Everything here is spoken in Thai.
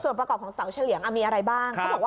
ส่วนประกอบของเสาเฉลียงไหมอะไรบ้าง